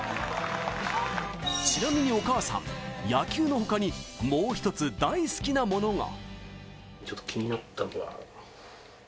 ちなみにお母さん、野球の他にもう１つ、大好きなものが。